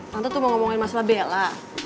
tante tuh mau ngomongin masalah bela